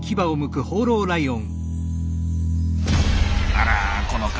あらこの顔。